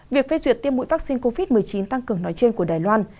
việc phê duyệt tiêm mũi vaccine covid một mươi chín tăng cường nói trên của đài loan